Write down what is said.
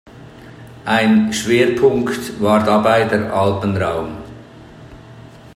Ein Schwerpunkt war dabei der Alpenraum.